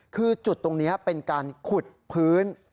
คือจุดตรงนี้เป็นการขุดพื้น